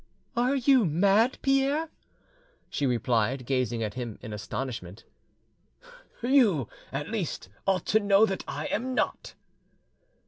"Are you mad, Pierre?" she replied, gazing at him in astonishment. "You, at least, ought to know that I am not."